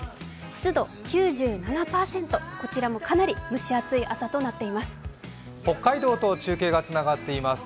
湿度９７％、こちらもかなり蒸し暑い朝となっています。